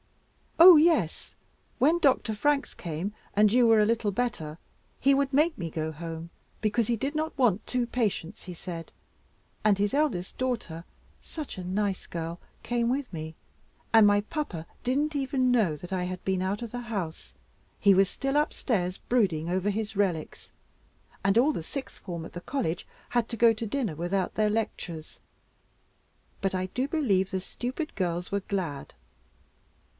"Oh yes; when Dr. Franks came, and you were a little better, he would make me go home, because he did not want two patients, he said; and his eldest daughter, such a nice girl, came with me; and my papa didn't even know that I had been out of the house. He was still upstairs, brooding over his relics, and all the sixth form at the College had to go to dinner without their lectures; but I do believe the stupid girls were glad."